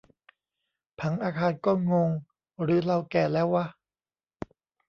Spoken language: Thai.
ผังอาคารก็งง หรือเราแก่แล้ววะ